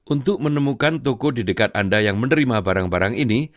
untuk menemukan toko di dekat anda yang menerima barang barang ini